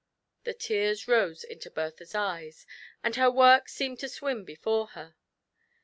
" The tears rose into Bertha's eyes, and her work seemed to swim before her.